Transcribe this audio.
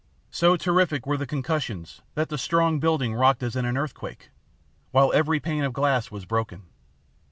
So terrific were the concussions that the strong building rocked as in an earthquake, while every pane of glass was broken.